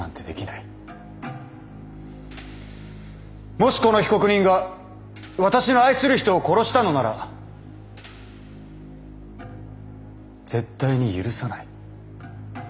もしこの被告人が私の愛する人を殺したのなら絶対に許さない。